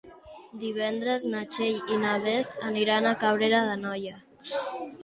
Divendres na Txell i na Beth aniran a Cabrera d'Anoia.